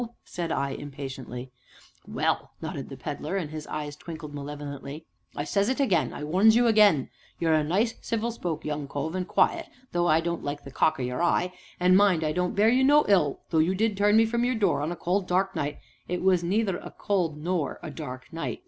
said I impatiently. "Well," nodded the Pedler, and his eyes twinkled malevolently. "I says it again I warns you again. You're a nice, civil spoke young cove, and quiet (though I don't like the cock o' your eye), and, mind, I don't bear you no ill will though you did turn me from your door on a cold, dark night " "It was neither a cold nor a dark night!"